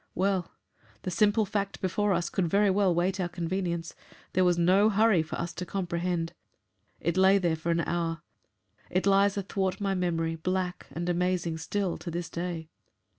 Well the simple fact before us could very well wait our convenience; there was no hurry for us to comprehend. It lay there for an hour; it lies athwart my memory, black and amazing still, to this day.